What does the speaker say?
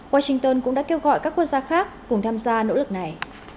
washington cũng đã kêu gọi các quốc gia khác cùng tham gia nỗ lực này